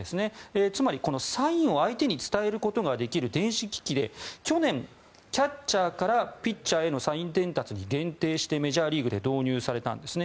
つまりサインを相手に伝えることができる電子機器で去年キャッチャーからピッチャーへのサイン伝達に限定してメジャーリーグで導入されたんですね。